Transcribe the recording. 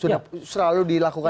sudah selalu dilakukan